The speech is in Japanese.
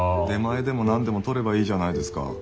出前でも何でも取ればいいじゃないですか？